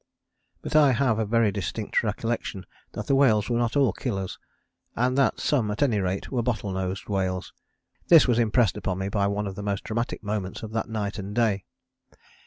But I have a very distinct recollection that the whales were not all Killers, and that some, at any rate, were Bottle nosed whales. This was impressed upon me by one of the most dramatic moments of that night and day.